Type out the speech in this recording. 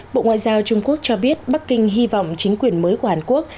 bộ ngoại giao trung quốc cho biết bắc kinh hy vọng chính quyền mới của hàn quốc